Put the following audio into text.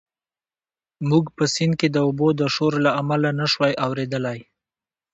موږ په سیند کې د اوبو د شور له امله نه شوای اورېدلی.